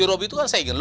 rum aja pesulung sendiri